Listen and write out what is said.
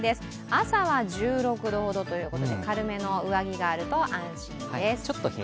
朝は１６度ほどということで軽めの上着があると安心です。